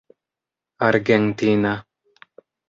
argentina